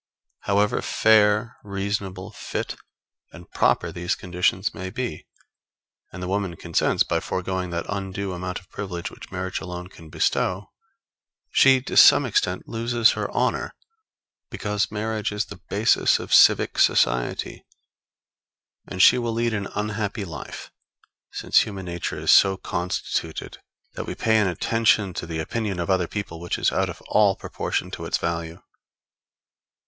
However fair, reasonable, fit and proper these conditions may be, and the woman consents by foregoing that undue amount of privilege which marriage alone can bestow, she to some extent loses her honor, because marriage is the basis of civic society; and she will lead an unhappy life, since human nature is so constituted that we pay an attention to the opinion of other people which is out of all proportion to its value.